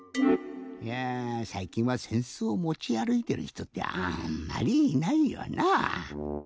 いやさいきんはせんすをもちあるいてるひとってあんまりいないよなぁ。